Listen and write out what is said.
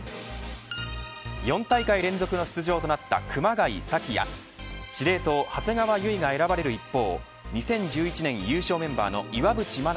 ４大会連続の出場となった熊谷紗希や司令塔、長谷川唯が選ばれる一方